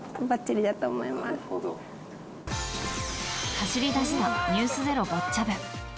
走り出した「ｎｅｗｓｚｅｒｏ」ボッチャ部。